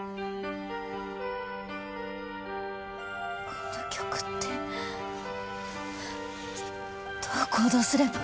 この曲ってどう行動すれば？